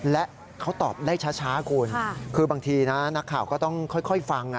และเขาตอบได้ช้าคุณคือบางทีนะนักข่าวก็ต้องค่อยฟัง